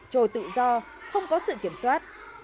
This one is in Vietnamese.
trồi tự do không có sự kiểm soát